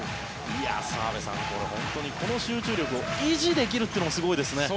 澤部さん、これ本当にこの集中力を維持できるのもすごいですね。